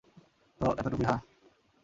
তো, এতটুকুই, হাহ?